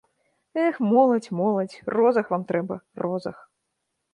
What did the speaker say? Эх, моладзь, моладзь, розаг вам трэба, розаг!